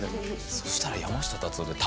そしたら。